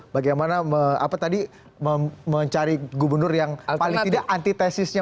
bagaimana apa tadi mencari gubernur yang paling tidak antitesisnya